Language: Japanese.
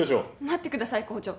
待ってください校長。